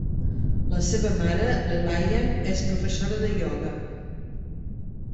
La seva mare, l'Elaine, és professora de ioga.